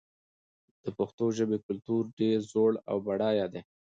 د پښتو ژبې کلتور ډېر زوړ او بډای دی.